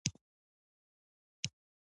د پوزې د بندیدو لپاره د کوم شي بخار واخلئ؟